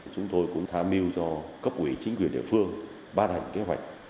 chúng tôi cũng tham mưu cho cấp ủy chính quyền địa phương ban hành kế hoạch